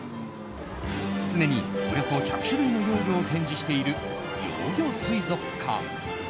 常におよそ１００種類の幼魚を展示している幼魚水族館。